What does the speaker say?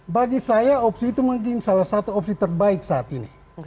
bagi saya opsi itu mungkin salah satu opsi terbaik saat ini